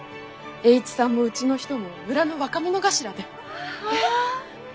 栄一さんもうちの人も村の若者頭で。